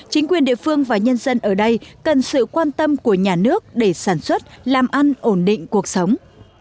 chính quyền địa phương và nhân dân ở đây cần sự quan tâm của nhà nước để sản xuất làm ăn ổn định cuộc sống